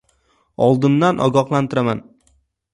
Oldindan ogohlantiraman